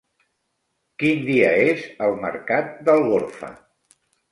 Quin dia és el mercat d'Algorfa?